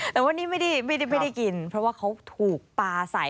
แต่ว่านี่ไม่ได้กินเพราะว่าเขาถูกปลาใส